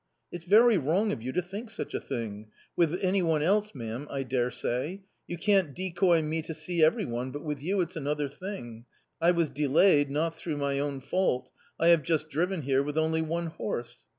" It's very wrong of you to think such a thing ! with any one else, ma'am, I daresay ! You can't iiecoy me to see every one, but with you it's another thing ! I was delayed not through my own fault ; I have just driven here with only one horse."